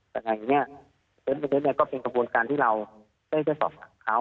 แต่อย่างนี้เพราะฉะนั้นก็เป็นกระบวนการที่เราได้ตอบกับเขา